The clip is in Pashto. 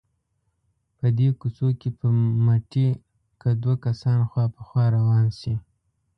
په دې کوڅو کې په مټې که دوه کسان خوا په خوا روان شي.